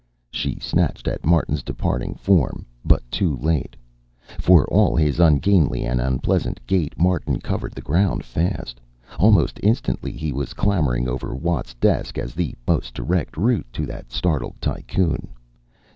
She snatched at Martin's departing form, but too late. For all his ungainly and unpleasant gait, Martin covered ground fast. Almost instantly he was clambering over Watt's desk as the most direct route to that startled tycoon.